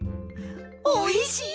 おいしい！